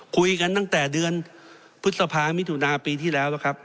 คุยกันตั้งแต่เดือนพฤษภามิถุนาปีที่แล้วครับ